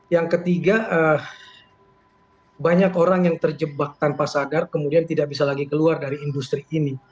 yang ketiga banyak orang yang terjebak tanpa sadar kemudian tidak bisa lagi keluar dari industri ini